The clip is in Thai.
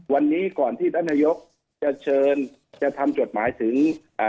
วันนี้ก่อนที่ท่านนายกจะเชิญจะทำจดหมายถึงอ่า